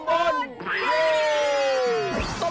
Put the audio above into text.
เฮยกตำบล